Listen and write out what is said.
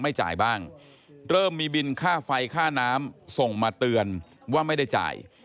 ไม่จ่ายบ้างเริ่มมีบินค่าไฟค่าน้ำส่งมาเตือนว่าไม่ได้จ่าย